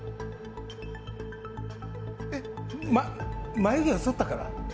眉毛を剃ったから？